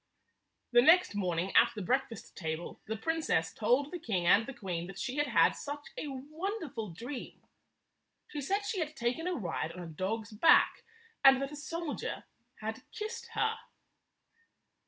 The next morning, at the breakfast table, the princess told the king and the queen that she had had such a wonderful dream. She said she had taken a ride on a dog's back, and that a soldier had kissed her.